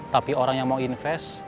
tapi orang yang mau investasi